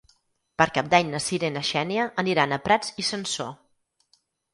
Per Cap d'Any na Sira i na Xènia aniran a Prats i Sansor.